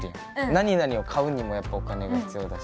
何何を買うにもやっぱお金が必要だし。